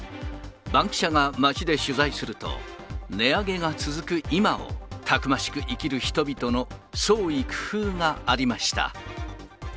バンキシャが街で取材すると、値上げが続く今をたくましく生きる人々の創意工夫がありました。